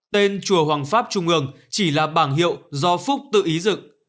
tên chùa hoàng pháp trung ương chỉ là bảng hiệu do phúc tự ý dựng